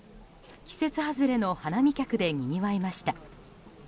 季節外れの花見客でにぎわいました。